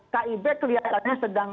kib kelihatannya sedang